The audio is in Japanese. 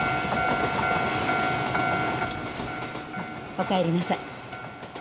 おかえりなさい。